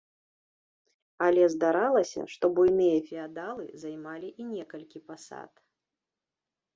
Але здаралася, што буйныя феадалы займалі і некалькі пасад.